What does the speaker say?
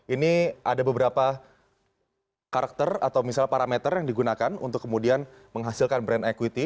ini ada beberapa karakter atau misalnya parameter yang digunakan untuk kemudian menghasilkan brand equity